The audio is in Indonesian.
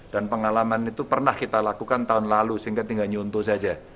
dan pengalaman itu pernah kita lakukan tahun lalu sehingga tinggal nyuntuh saja